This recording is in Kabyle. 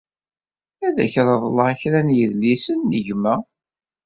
Ad ak-reḍleɣ kra n yedlisen n gma.